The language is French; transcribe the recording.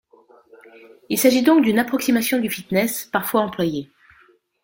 Il s’agit donc d’une approximation du fitness parfois employée.